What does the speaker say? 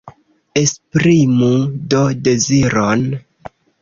Esprimu do deziron.